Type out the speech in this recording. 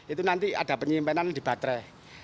itu nanti ada penyimpanan di baterai